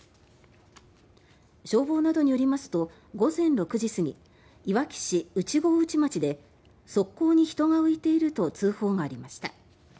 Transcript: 消防などによりますと午前６時過ぎいわき市内郷内町で側溝に人が浮いていると通報がありました。